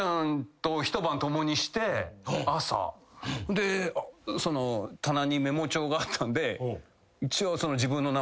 朝棚にメモ帳があったんで一応。